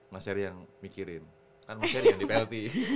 mas heri yang mikirin kan mas eri jangan di plt